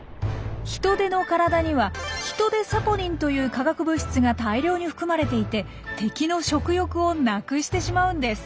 ヒトデの体には「ヒトデサポニン」という化学物質が大量に含まれていて敵の食欲を無くしてしまうんです。